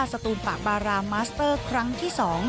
สตูนปากบารามัสเตอร์ครั้งที่๒